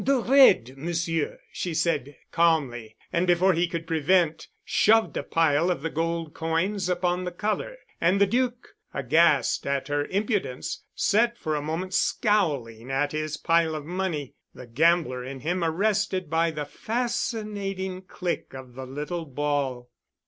"The red, Monsieur," she said calmly, and before he could prevent, shoved a pile of the gold coins upon the color. And the Duc, aghast at her impudence, sat for a moment scowling at his pile of money, the gambler in him arrested by the fascinating click of the little ball.